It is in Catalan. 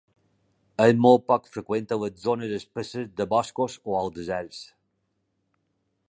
És molt poc freqüent a les zones espesses de boscos o als deserts.